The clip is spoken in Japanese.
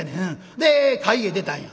で会へ出たんや」。